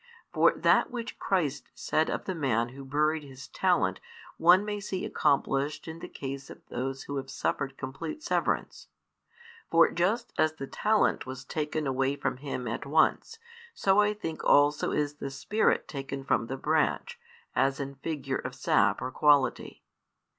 For that which Christ said of the man who buried his talent one may see accomplished in the case of those who have suffered complete severance. For just as the talent was taken away from him at once, so I think also is the Spirit taken from the branch, as in figure of sap or quality.